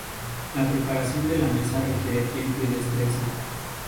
La preparación de la masa requiere tiempo y destreza.